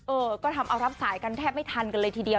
เออก็ทำเอารับสายกันแทบไม่ทันกันเลยทีเดียว